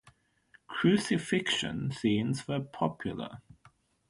Crucifixion scenes were popular.